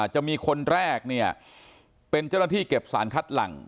จะมีคนแรกเนี่ยเป็นเจ้าหน้าที่เก็บสารคัดหลัง